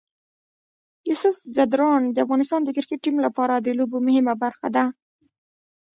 یوسف ځدراڼ د افغانستان د کرکټ ټیم لپاره د لوبو مهمه برخه ده.